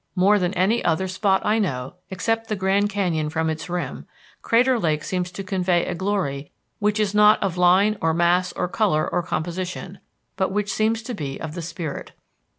More than any other spot I know, except the Grand Canyon from its rim, Crater Lake seems to convey a glory which is not of line or mass or color or composition, but which seems to be of the spirit.